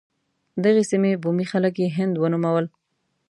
دغې سیمې بومي خلک یې هند ونومول.